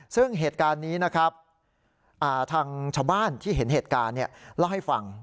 ซึ่งเหตุการณ์นี้นะครับทางชาวบ้านที่เห็นเหตุการณ์เล่าให้ฟัง